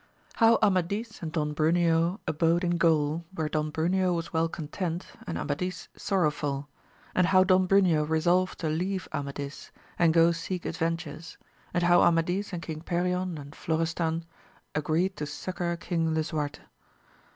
— How Amadis and Don Bruneo abode in Q aiil where Don Bruneo was well content and Amadis sorrowful, and how Don Bruneo resolved to leave Amadis and go seek adven'* tures ; and how Amadis and King Perion and Florestan agreed to succour King Lisuarte.